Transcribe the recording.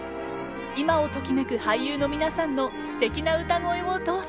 今をときめく俳優の皆さんのすてきな歌声をどうぞ！